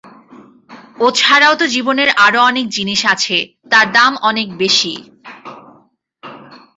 ও ছাড়াও তো জীবনের আরো অনেক জিনিস আছে, তার দাম অনেক বেশি।